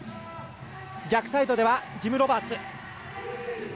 逆サイドではジム・ロバーツ。